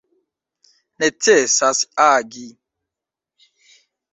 Necesas agi.